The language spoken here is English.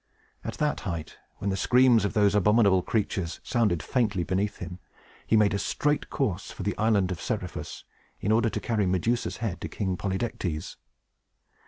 At that height, when the screams of those abominable creatures sounded faintly beneath him, he made a straight course for the island of Seriphus, in order to carry Medusa's head to King Polydectes.